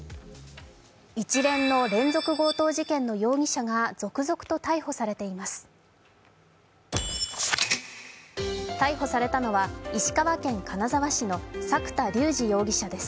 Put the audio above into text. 一連の連続強盗事件の容疑者が続々と逮捕されています。